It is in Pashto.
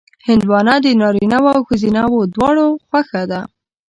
هندوانه د نارینهوو او ښځینهوو دواړو خوښه ده.